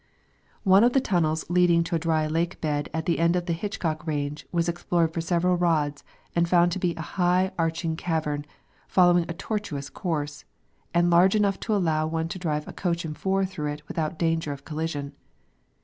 One of the tunnels leading to a dry lake bed at the end of the Hitchcock range was explored for several rods and found to be a high, arching cavern following a tortuous course, and large enough to allow one to drive a coach and four through it without danger of collision.